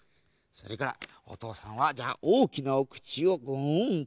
それからおとうさんはじゃあおおきなおくちをグーンと。